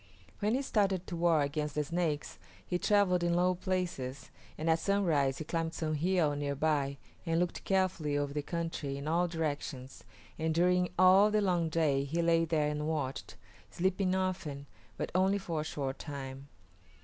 When he started to war against the Snakes he travelled in low places, and at sunrise he climbed some hill near by and looked carefully over the country in all directions, and during all the long day he lay there and watched, sleeping often, but only for a short time.